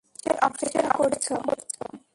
কিসের অপেক্ষা করছো?